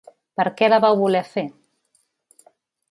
Per què la vau voler fer?